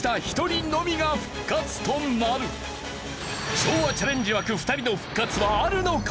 昭和チャレンジ枠２人の復活はあるのか？